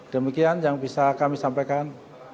demikian yang bisa kami sampaikan